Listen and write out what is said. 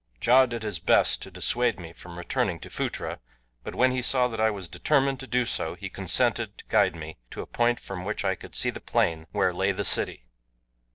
Ja did his best to dissuade me from returning to Phutra, but when he saw that I was determined to do so, he consented to guide me to a point from which I could see the plain where lay the city.